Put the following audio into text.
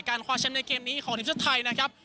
การความแชมป์ในเกมนี้ของนิวเซอร์ไทยนะครับ